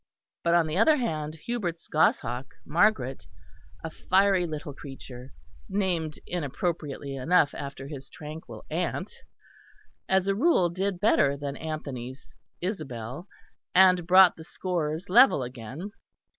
But, on the other hand, Hubert's goshawk Margaret, a fiery little creature, named inappropriately enough after his tranquil aunt, as a rule did better than Anthony's Isabel, and brought the scores level again.